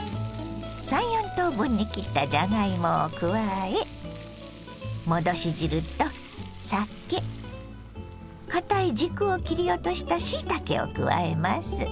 ３４等分に切ったじゃがいもを加え戻し汁と酒かたい軸を切り落としたしいたけを加えます。